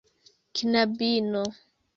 knabino